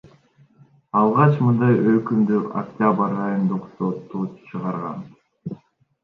Алгач мындай өкүмдү Октябрь райондук соту чыгарган.